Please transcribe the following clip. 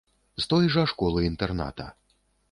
З той жа школы-інтэрната.